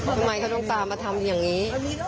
ทำไมเขาต้องตามมาทำอย่างนี้